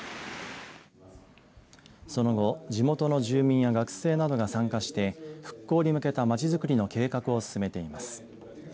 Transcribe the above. その後、地元の住民や学生などが参加して復興に向けたまちづくりの計画を進めています。